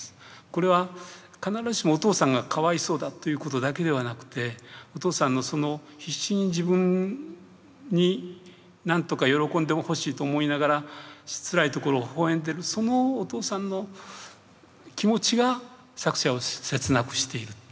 これは必ずしもお父さんがかわいそうだっていうことだけではなくてお父さんの必死に自分になんとか喜んでほしいと思いながらつらいところをほほ笑んでいるそのお父さんの気持ちが作者を切なくしている。